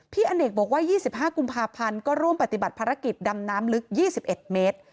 อเนกบอกว่า๒๕กุมภาพันธ์ก็ร่วมปฏิบัติภารกิจดำน้ำลึก๒๑เมตร